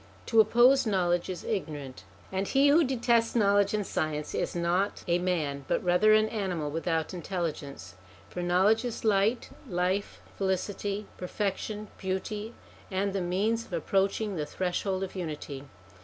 To oppose knowledge is ignorant, and he who detests knowledge and science is not a SOME CHRISTIAN SUBJECTS 157 man, but rather an animal without intelligence. For knowledge is light, life, felicity, perfection, beauty, and the means of approaching the Threshold of Unity.